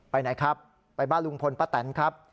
ไปไหนครับไปบ้านลุงพลป้าแตนครับ